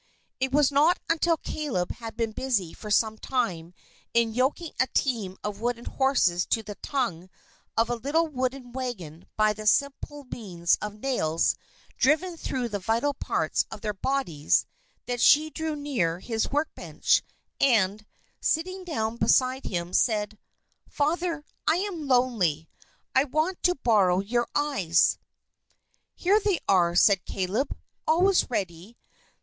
It was not until Caleb had been busy for some time in yoking a team of wooden horses to the tongue of a little wooden wagon by the simple means of nails, driven through the vital parts of their bodies, that she drew near his work bench, and, sitting down beside him, said: "Father, I am lonely. I want to borrow your eyes." "Here they are," said Caleb. "Always ready.